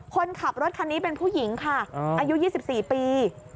คนขับรถคันนี้เป็นผู้หญิงค่ะอายุ๒๔ปี